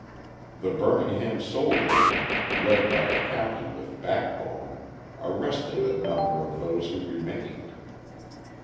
The Birmingham soldiers, led by a captain with backbone, arrested a number of those who remained.